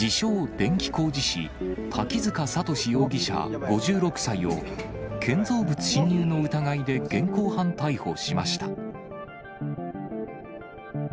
電気工事士、滝塚智容疑者５６歳を、建造物侵入の疑いで現行犯逮捕しました。